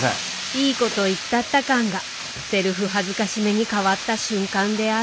いいこと言ったった感がセルフ辱めにかわった瞬間である。